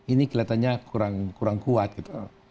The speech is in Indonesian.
ini kelihatannya kurang kuat gitu